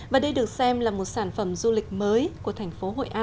và đây được xem là một sản phẩm du lịch mới của thành phố hội an